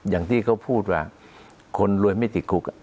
อย่างที่เขาพูดว่าคนรวยไม่ติดคุก